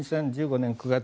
２０１５年９月。